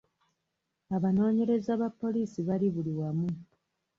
Abanoonyereza ba poliisi bali buli wamu.